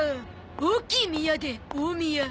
「大きい宮」で「大宮」。